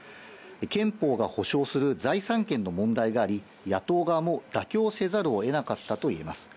憲法が保障する財産権の問題があり、野党側も妥協せざるをえなかったと言えます。